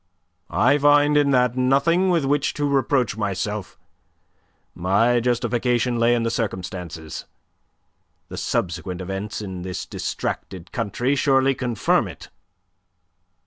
"I find in that nothing with which to reproach myself. My justification lay in the circumstances the subsequent events in this distracted country surely confirm it."